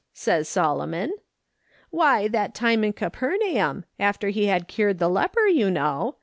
says Solomon. "' Why, that time in Capernaum, after he had cured the leper, you know.